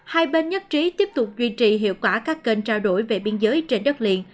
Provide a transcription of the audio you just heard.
hai bên nhất trí tiếp tục duy trì hiệu quả các kênh trao đổi về biên giới trên đất liền